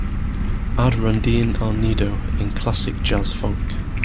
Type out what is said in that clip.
add rondine al nido in Classic Jazz Funk